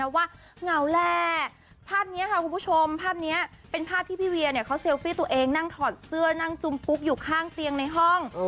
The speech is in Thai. ว่าเหงาแหละภาพนี้ค่ะคุณผู้ชมภาพนี้เป็นภาพที่พี่เวียเขาเซลฟี่ตัวเองนั่งถอดเสื้อนั่งจุมปุ๊กอยู่ข้างเตียงในห้อง